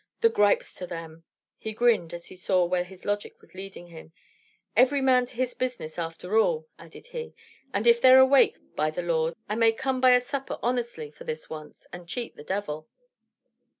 The gripes to them!" He grinned as he saw where his logic was leading him. "Every man to his business, after all," added he, "and if they're awake, by the Lord, I may come by a supper honestly for this once, and cheat the devil."